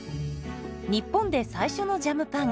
日本で最初のジャムパン。